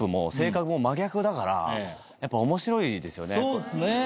そうっすね。